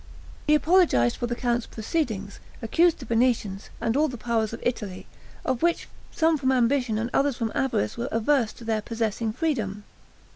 He apologized for the count's proceedings, accused the Venetians, and all the powers of Italy, of which some from ambition and others from avarice were averse to their possessing freedom.